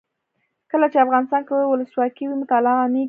کله چې افغانستان کې ولسواکي وي مطالعه عامیږي.